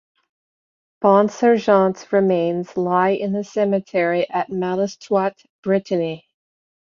Bonsergent's remains lie in the cemetery at Malestroit, Brittany.